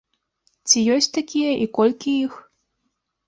Ці ёсць такія і колькі іх?